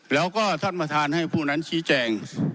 แล้วก็ท่านประธานให้ผู้นั้นชี้แจง